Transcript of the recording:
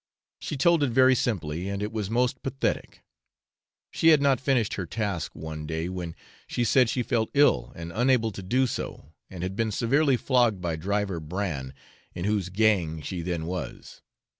She told it very simply, and it was most pathetic. She had not finished her task one day, when she said she felt ill, and unable to do so, and had been severely flogged by Driver Bran, in whose 'gang' she then was.